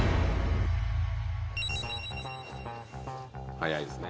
「早いですね」